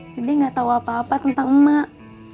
dede engga tau apa apa tentang emak